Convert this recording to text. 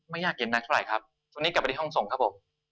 ยากเย็นนักเท่าไหร่ครับช่วงนี้กลับไปที่ห้องส่งครับผม